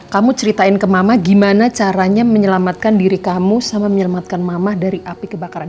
kamu ceritain ke mama gimana caranya menyelamatkan diri kamu sama menyelamatkan mama dari api kebakaran